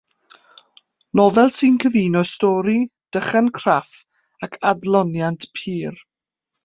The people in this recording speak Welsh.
Nofel sy'n cyfuno stori, dychan craff ac adloniant pur.